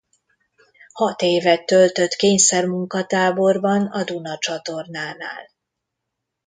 Hat évet töltött kényszermunka-táborban a Duna-csatornánál.